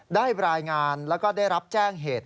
ได้รายงานแล้วก็ได้รับแจ้งเหตุ